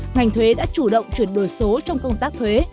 ngành thuế đã chủ động chuyển đổi số trong công tác thuế